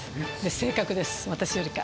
正確です、私よりか。